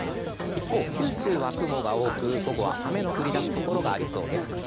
一方、九州は雲が多く午後は雨の降りだすところがありそうです。